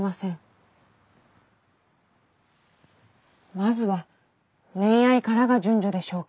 まずは恋愛からが順序でしょうか。